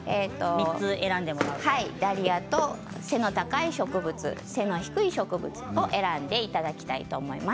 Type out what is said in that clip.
ダリアと背の高い植物背の低い植物を選んでいただきたいと思います。